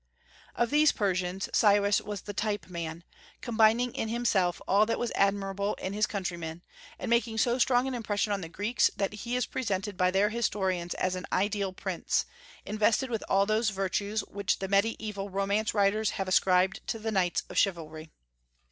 Of these Persians Cyrus was the type man, combining in himself all that was admirable in his countrymen, and making so strong an impression on the Greeks that he is presented by their historians as an ideal prince, invested with all those virtues which the mediaeval romance writers have ascribed to the knights of chivalry.